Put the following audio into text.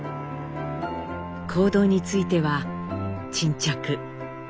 行動については「沈着」「勤勉」。